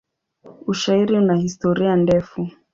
Ushairi una historia ndefu.